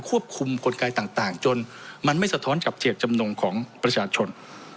ควบคุมคนกายต่างต่างจนมันไม่สะท้อนกับเจตจำนุมของประชาชน